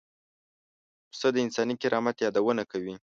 پسه د انساني کرامت یادونه کوي.